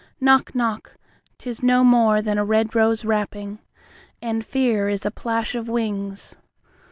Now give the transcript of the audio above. Knock, knock, 'tis no more than a red rose rapping, And fear is a plash of wings.